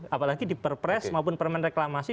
apalagi di perpres maupun permen reklamasi